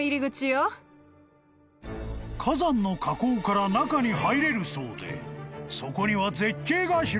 ［火山の火口から中に入れるそうでそこには絶景が広がっているという］